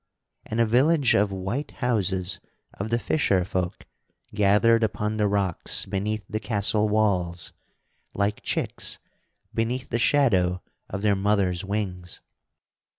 And a village of white houses of the fisher folk gathered upon the rocks beneath the castle walls like chicks beneath the shadow of their mother's wings.